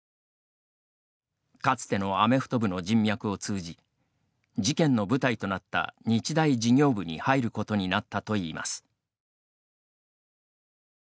かつてのアメフト部の人脈を通じ事件の舞台となった日大事業部に入ることになったといいます。